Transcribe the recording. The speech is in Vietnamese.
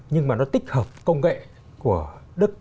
nhưng mà nó tích hợp công nghệ của đức